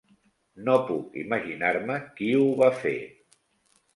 No puc imaginar-me qui ho va fer.